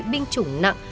binh chủng nặng